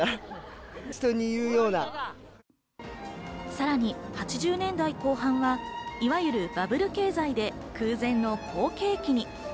さらに８０年代後半は、いわゆるバブル経済で空前の好景気に。